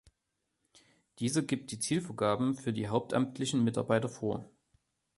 Dieser gibt die Zielvorgaben für die hauptamtlichen Mitarbeiter vor.